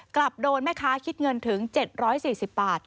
กลับโดนแม่ค้าคิดเงินถึง๗๔๐บาท